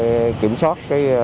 để kiểm soát